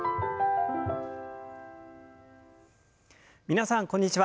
皆さんこんにちは。